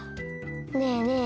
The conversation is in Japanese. ねえねえ